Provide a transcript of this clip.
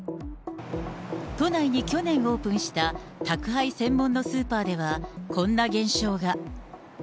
都内に去年オープンした宅配専門のスーパーでは、こんな現象が。